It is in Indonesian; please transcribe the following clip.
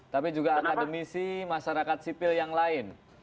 tapi juga akademisi masyarakat sipil yang lain